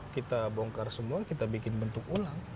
kita bongkar semua kita bikin bentuk ulang